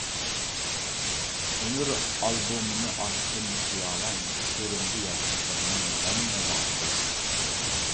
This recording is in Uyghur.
ئۆمۈر ئالبومىنى ئاچتىم خىيالەن، كۆرۈندى ياشلىقىمنىڭ ھەننىۋاسى.